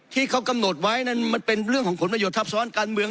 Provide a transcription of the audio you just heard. ที่เขากำหนดไว้นั้นมันเป็นเรื่องของผลประโยชนทับซ้อนการเมือง